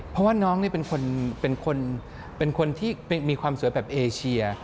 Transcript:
เพราะว่าน้องนี่เป็นคนที่มีความสวยแบบเอเชีย